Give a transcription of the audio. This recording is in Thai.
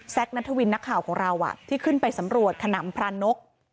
นัทวินนักข่าวของเราที่ขึ้นไปสำรวจขนำพระนก